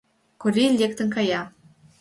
Корий лектын кая.